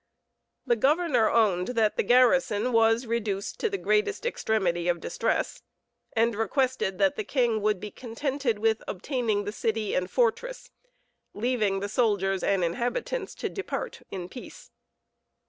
The governor owned that the garrison was reduced to the greatest extremity of distress, and requested that the king would be contented with obtaining the city and fortress, leaving the soldiers and inhabitants to depart in peace.